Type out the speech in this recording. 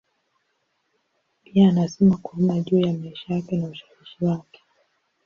Pia anasema kwa umma juu ya maisha yake na ushawishi wake.